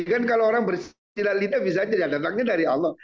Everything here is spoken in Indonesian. kan kalau orang bersila lidah bisa tidak datangnya dari allah